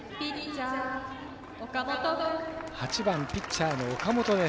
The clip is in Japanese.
８番ピッチャーの岡本です。